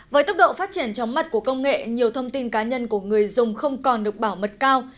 với tốc độ phát triển chóng mặt của công nghệ nhiều thông tin cá nhân của người dùng không còn được bảo mật cao